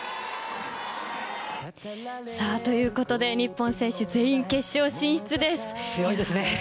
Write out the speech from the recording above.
ということで日本選手全員決勝進出です。